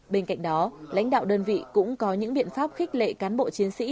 bên cạnh đó lãnh đạo đơn vị cũng có những biện pháp khích lệ cán bộ chiến sĩ